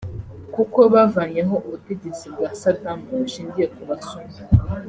kuko bavanyeho ubutegetsi bwa Sadam bushingiye ku ba suni